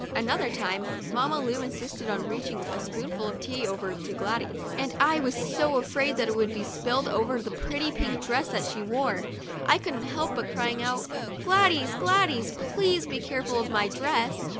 Another time, Mamma Lu insisted on reaching a spoonful of tea over to Gladys, and I was so afraid that it would be spilled over the pretty pink dress she wore that I couldn't help crying out: 'Gladys! Gladys! please be careful of my dress."